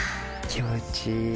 気持ちいい。